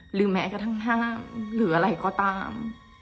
หรือแม้กระทั่งห้างหรืออะไรก็ตาม